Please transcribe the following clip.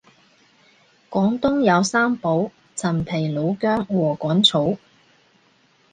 廣東有三寶陳皮老薑禾桿草